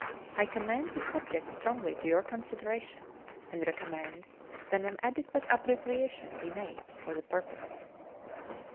I commend the subject strongly to your consideration, and recommend that an adequate appropriation be made for the purpose.